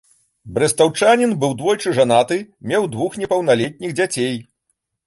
Брэстаўчанін быў двойчы жанаты, меў двух непаўналетніх дзяцей.